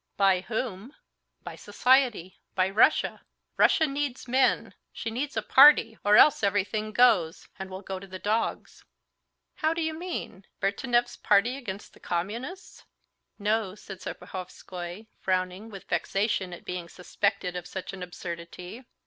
"By whom? By society, by Russia. Russia needs men; she needs a party, or else everything goes and will go to the dogs." "How do you mean? Bertenev's party against the Russian communists?" "No," said Serpuhovskoy, frowning with vexation at being suspected of such an absurdity.